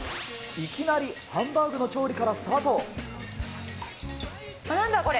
いきなりハンバーグの調理かなんだ、これ。